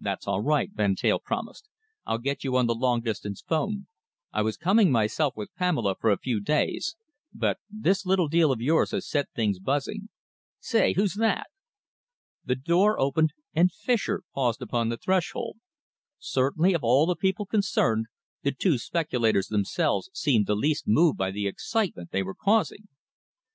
"That's all right," Van Teyl promised. "I'll get you on the long distance 'phone. I was coming myself with Pamela for a few days, but this little deal of yours has set things buzzing.... Say, who's that?" The door opened, and Fischer paused upon the threshold. Certainly, of all the people concerned, the two speculators themselves seemed the least moved by the excitement they were causing.